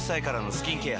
スキンケア。